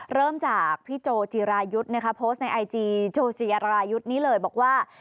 เริ่มจากพี่โจจีรายุทธ์นะคะโพสต์ในไอจีโชว์รายุทธ์นี้เลยบอกว่า